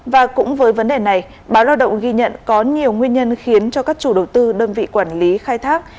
và cũng với vấn đề này báo lao động ghi nhận có nhiều nguyên nhân khiến cho các chủ đầu tư đơn vị quản lý khai thác